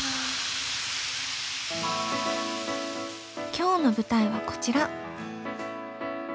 今日の舞台はこちら。